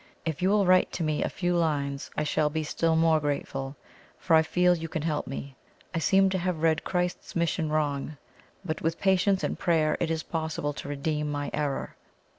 If you will write to me a few lines I shall be still more grateful, for I feel you can help me. I seem to have read Christ's mission wrong but with patience and prayer it is possible to redeem my error.